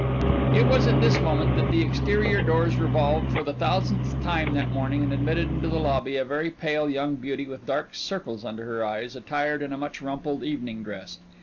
It was at this moment that the exterior doors revolved for the thousandth time that morning, and admitted into the lobby a very pale young beauty with dark circles under her eyes, attired in a much rumpled evening dress.